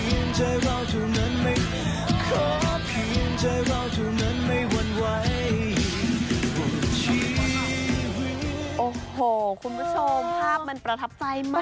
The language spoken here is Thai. โอ้โหคุณผู้ชมภาพมันประทับใจมาก